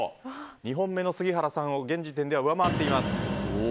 ２本目の杉原さんを現時点で上回っています。